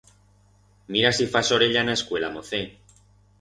Mira si fas orella en a escuela, mocet.